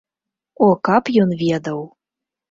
О, каб ён ведаў!